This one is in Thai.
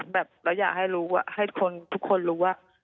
แบบเราอยากให้รู้ว่าให้คนทุกคนรู้ว่า